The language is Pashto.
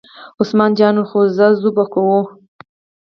عثمان جان وویل: خو ځه څو به کوو.